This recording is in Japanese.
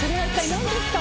何ですか？